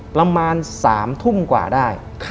ประมาณ๓ทุ่มกว่าได้